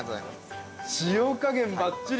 塩加減ばっちり。